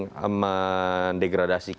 kampanye emosional yang sering